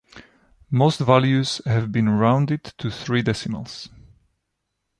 Most values have been rounded to three decimals.